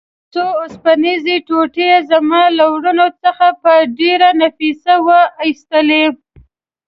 څو اوسپنیزې ټوټې یې زما له ورنو څخه په ډېره نفیسه وه ایستې.